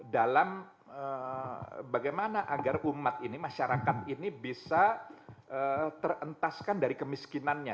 dalam bagaimana agar umat ini masyarakat ini bisa terentaskan dari kemiskinannya